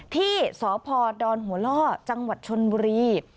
ที่สพดหัวล่อจังหวัดชนบุรี